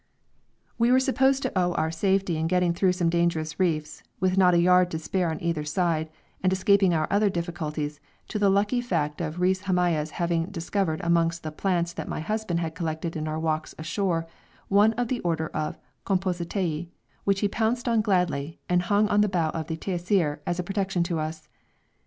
We were supposed to owe our safety in getting through some dangerous reefs, with not a yard to spare on either side, and escaping our other difficulties, to the lucky fact of Reis Hamaya's having discovered amongst the plants that my husband had collected in our walks ashore one of the order of Compositæ, which he pounced on gladly and hung on the bow of the Taisir, as a protection to us.